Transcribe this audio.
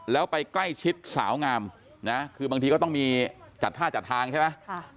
แล้วไปใกล้ชิดสาวงามนะคือบางทีก็ต้องมีจัดท่าจัดทางใช่ไหม